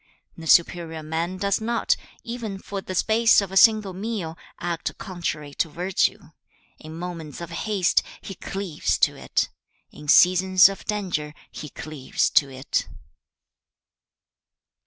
3. 'The superior man does not, even for the space of a single meal, act contrary to virtue. In moments of haste, he cleaves to it. In seasons of danger, he cleaves to it.'